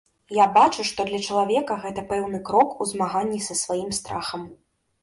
Я бачу, што для чалавека гэта пэўны крок у змаганні са сваім страхам.